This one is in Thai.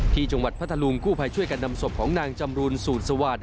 ที่จังหวัดพัทธลุงกู้ภัยช่วยกันนำสมของนางจำรุนสูตรสวาสตร์